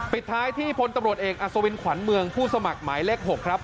ปิดท้ายที่พลตำรวจเอกอัศวินขวัญเมืองผู้สมัครหมายเลข๖ครับ